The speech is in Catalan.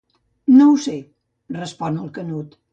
No ho sé, respon el Canut.